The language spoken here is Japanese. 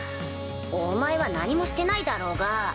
お前は何もしてないだろうが。